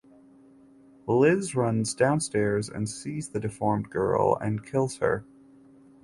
Liz runs downstairs and sees the deformed girl and kills her.